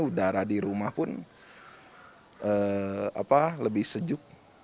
udara di rumah pun lebih sejuk